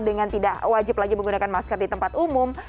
dengan tidak wajib lagi menggunakan masker di tempat umum